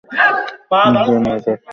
রাত্রি নটার সময় রুদ্ধ দ্বারে ঘা পড়িল।